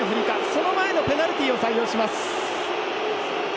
その前のペナルティを採用します。